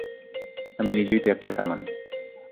আমি নিজেই তো একটা কামান।